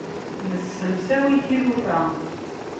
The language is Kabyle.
Nessemsawi tilufa.